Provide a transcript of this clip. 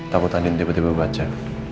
takut andin tiba tiba baca